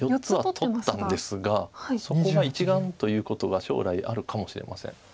４つは取ったんですがそこが１眼ということが将来あるかもしれません。